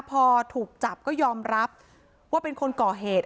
พอถูกจับก็ยอมรับว่าเป็นคนก่อเหตุ